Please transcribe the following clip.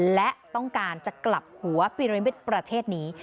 และต้องการจะกลับหัวปิรมิตประเทศนี้